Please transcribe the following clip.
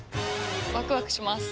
ワクワクします。